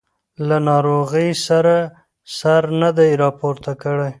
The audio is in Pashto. له ناروغۍ یې سر نه دی راپورته کړی.